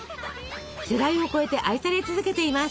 世代を超えて愛され続けています。